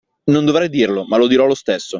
Non dovrei dirlo, ma lo dirò lo stesso.